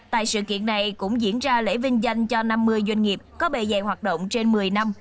tại sự kiện này cũng diễn ra lễ vinh danh cho năm mươi doanh nghiệp có bề dày hoạt động trên một mươi năm